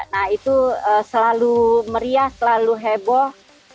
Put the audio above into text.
nah itu selalu meriah selalu heboh